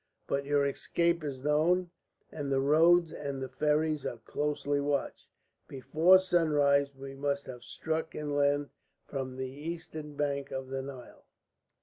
But your escape is known, and the roads and the ferries are closely watched. Before sunrise we must have struck inland from the eastern bank of the Nile."